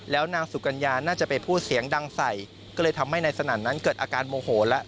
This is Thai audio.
แล้วนางสุกัญญาน่าจะไปพูดเสียงดังใส่ก็เลยทำให้นายสนั่นนั้นเกิดอาการโมโหแล้ว